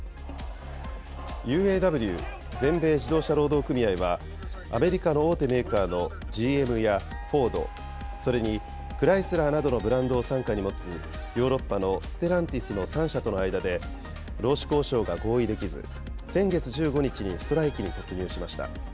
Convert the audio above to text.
ＵＡＷ・全米自動車労働組合は、アメリカの大手メーカーのＧＭやフォード、それにクライスラーなどのブランドを傘下に持つヨーロッパのステランティスの３社との間で労使交渉が合意できず、先月１５日にストライキに突入しました。